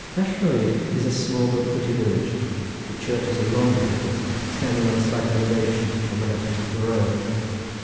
Mallwyd is a small but pretty village. The church is a long edifice standing on a slight elevation on the left of the road.